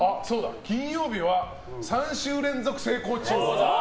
金曜日は３週連続成功。